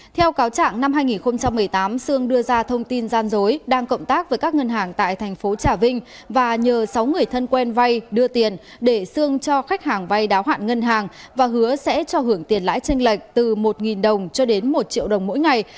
theo cáo trạng năm hai nghìn một mươi tám sương đưa ra thông tin gian dối đang cộng tác với các ngân hàng tại thành phố trà vinh và nhờ sáu người thân quen vay đưa tiền để sương cho khách hàng vay đáo hạn ngân hàng và hứa sẽ cho hưởng tiền lãi tranh lệch từ một đồng cho đến một triệu đồng mỗi ngày